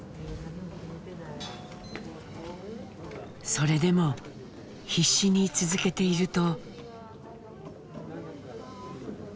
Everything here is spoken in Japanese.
それでも必死に続けていると。